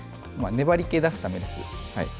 粘りけを出すためです。